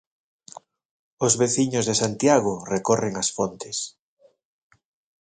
Os veciños de Santiago recorren ás fontes.